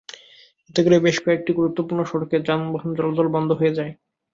এতে করে বেশ কয়েকটি গুরুত্বপূর্ণ সড়কে যানবাহন চলাচল বন্ধ হয়ে যায়।